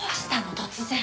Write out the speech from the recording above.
突然。